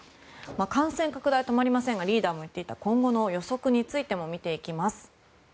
感染拡大が止まりませんがリーダーが言っていた今後の予測についても見ていきます。